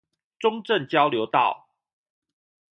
中正交流道